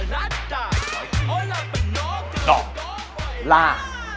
หน่อล่า